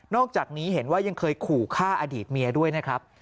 อกจากนี้เห็นว่ายังเคยขู่ฆ่าอดีตเมียด้วยนะครับ